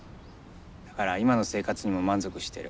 だから今の生活にも満足してる。